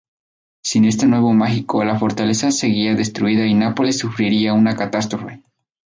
Sin este huevo mágico, la fortaleza sería destruida y Nápoles sufriría una catástrofe.